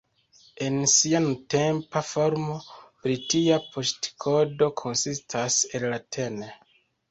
En sia nuntempa formo, britia poŝtkodo konsistas el la tn.